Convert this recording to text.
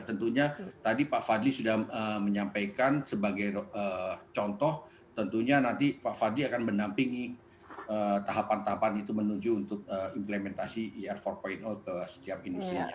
tentunya tadi pak fadli sudah menyampaikan sebagai contoh tentunya nanti pak fadli akan menampingi tahapan tahapan itu menuju untuk implementasi ir empat ke setiap industri